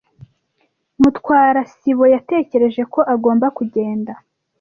Mutwara sibo yatekereje ko agomba kugenda.